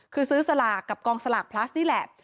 คือซื้อสลากกับกองสลากพลัสนี่แหละ